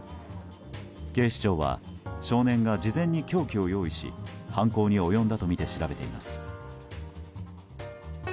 警視庁は少年が事前に凶器を用意し犯行に及んだとみて調べています。